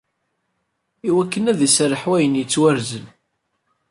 “Iwakken ad iserreḥ wayen yettwarzen."